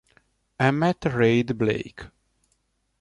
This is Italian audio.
Emmet Reid Blake